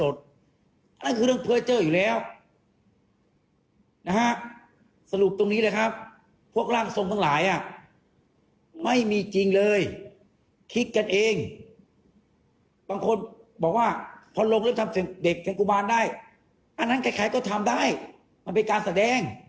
เด็กทางกุบาลได้อันนั้นใครก็ทำได้มันเป็นการแสดง